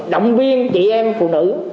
động viên chị em phụ nữ